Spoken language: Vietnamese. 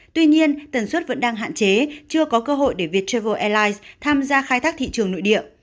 tuy nhiên tần suất vẫn đang hạn chế chưa có cơ hội để viettravel airlines tham gia khai thác thị trường nội địa